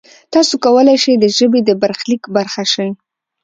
تاسو کولای شئ د ژبې د برخلیک برخه شئ.